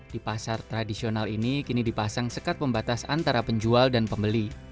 di pasar tradisional ini kini dipasang sekat pembatas antara penjual dan pembeli